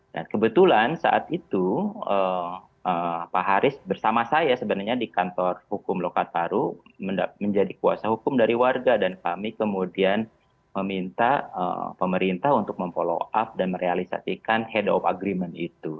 dan kebetulan saat itu pak haris bersama saya sebenarnya di kantor hukum lokad paru menjadi kuasa hukum dari warga dan kami kemudian meminta pemerintah untuk memfollow up dan merealisasikan head of agreement itu